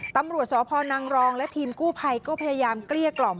ตำรวจสพนังรองและทีมกู้ภัยก็พยายามเกลี้ยกล่อม